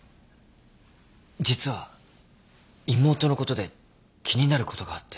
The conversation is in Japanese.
実は妹のことで気になることがあって。